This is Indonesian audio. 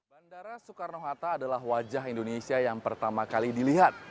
bandara soekarno hatta adalah wajah indonesia yang pertama kali dilihat